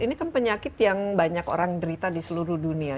ini kan penyakit yang banyak orang derita di seluruh dunia